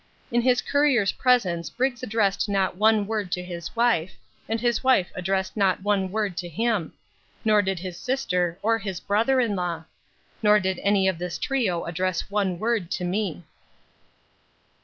In his courier's presence Briggs addressed not one word to his wife, and his wife addressed not one word to him; nor did his sister or his brother in law. Nor did any of this trio address one word to me.